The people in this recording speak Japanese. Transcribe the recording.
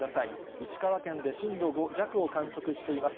石川県で震度５弱を観測しています。